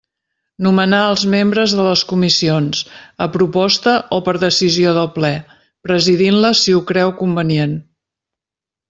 Nomenar els membres de les comissions, a proposta o per decisió del Ple, presidint-les si ho creu convenient.